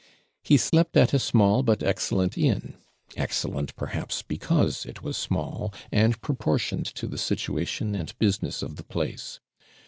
He slept at a small but excellent inn excellent, perhaps, because it was small, and proportioned to the situation and business of the place.